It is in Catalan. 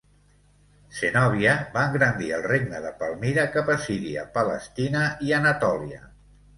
Zenòbia va engrandir el regne de Palmira cap a Síria, Palestina i Anatòlia.